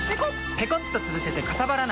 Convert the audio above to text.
ペコッとつぶせてかさばらない！